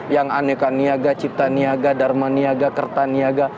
yang aneka niaga cipta niaga dharma niaga kerta niaga